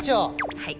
はい。